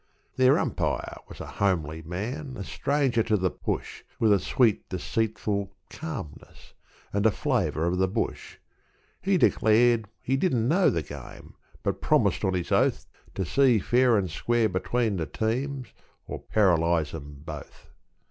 Their umpire was a homely man, a stranger to the push, With a sweet, deceitful calmness, and a flavour of the bush. He declared he didn't know the game, but promised on his oath To see fair and square between the teams, or paralyse them both.